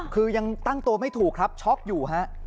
คือยังตั้งตัวไม่ถูกครับช็อกอยู่ฮะ